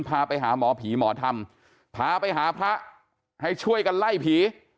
พาไปหาหมอผีหมอธรรมพาไปหาพระให้ช่วยกันไล่ผี